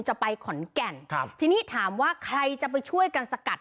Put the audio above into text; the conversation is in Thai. จะไปขอนแก่นครับทีนี้ถามว่าใครจะไปช่วยกันสกัด